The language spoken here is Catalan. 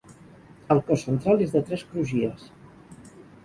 El cos central és de tres crugies.